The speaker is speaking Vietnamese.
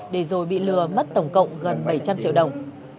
để rồi bị lừa mất tổng cộng gần bảy trăm linh triệu đồng